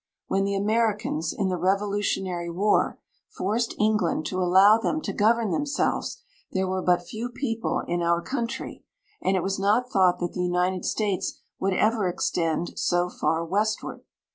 When the Americans, in the Revolutionary War, forced England to allow them to govern themselves, there were but few people in our country, and it was not thought that the United States would ever extend so far westward.